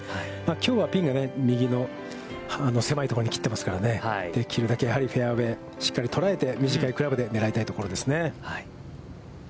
きょうはピンが右の狭いところに切ってますから、できるだけフェアウェイをしっかり捉えて、短いクラブで狙いたいところですね。